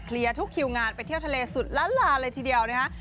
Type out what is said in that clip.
ทุกคิวงานไปเที่ยวทะเลสุดล้านลาเลยทีเดียวนะคะ